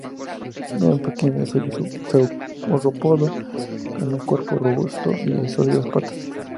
Era un pequeño dinosaurio saurópodo con un cuerpo robusto y de sólidas patas.